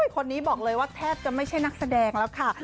คนนี้บอกเลยว่าแทบจะไม่ใช่นักแสดงแล้วค่ะ